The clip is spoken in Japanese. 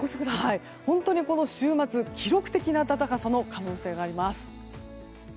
本当にこの週末記録的な暖かさの可能性があります。